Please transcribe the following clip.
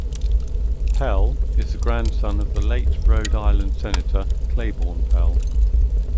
Pell is the grandson of the late Rhode Island Senator Claiborne Pell.